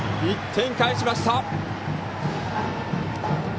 １点返しました！